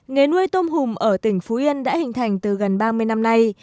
nghề nuôi tôm hùm ở tỉnh phú yên đã hình thành từ gần ba mươi năm nay